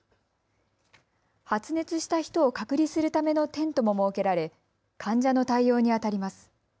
発熱した人を隔離するためのテントも設けられ患者の対応にあたります。